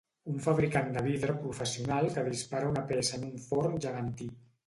Un fabricant de vidre professional que dispara una peça en un forn gegantí